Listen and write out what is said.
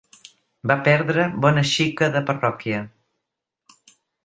Va perdre bona xica de parròquia